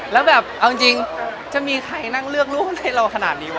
แล้วแบบเอาจริงจะมีใครนั่งเลือกรูปให้เราขนาดนี้วะ